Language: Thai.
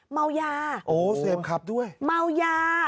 เมายาเมายา